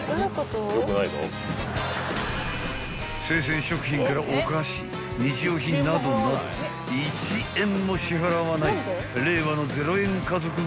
［生鮮食品からお菓子日用品などなど１円も支払わない令和の０円家族がいるっちゅう］